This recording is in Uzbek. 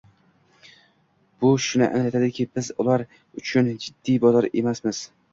Bu shuni anglatadiki, biz ular uchun jiddiy bozor emasmiz